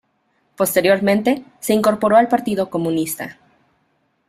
Posteriormente, se incorporó al Partido Comunista.